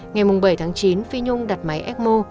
ngày bảy tháng chín phí nhung đặt máy ecmo